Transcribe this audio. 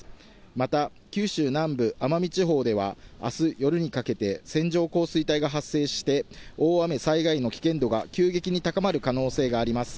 また九州南部、奄美地方では、あす夜にかけて線状降水帯が発生して、大雨災害の危険度が急激に高まる可能性があります。